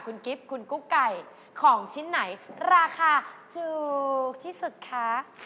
คุณกิฟต์คุณกุ๊กไก่ของชิ้นไหนราคาถูกที่สุดคะ